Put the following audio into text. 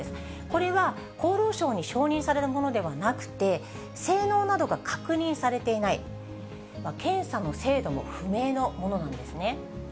これは厚労省に承認されたものではなくて、性能などが確認されていない、検査の精度の不明なものなんですね。